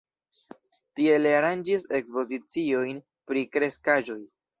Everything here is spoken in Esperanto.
Tie li aranĝis ekspoziciojn pri kreskaĵoj.